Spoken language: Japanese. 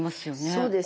そうですね。